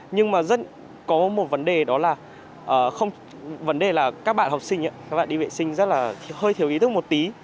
nhưng mà rất có một vấn đề đó là các bạn học sinh đi vệ sinh rất là hơi thiếu ý thức một tí